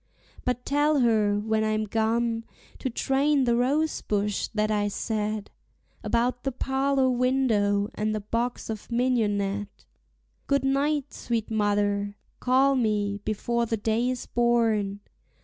But tell her, when I'm gone, to train the rosebush that I set About the parlor window and the box of mignonette. Good night, sweet mother! Call me before the day is born.